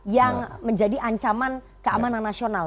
yang menjadi ancaman keamanan nasional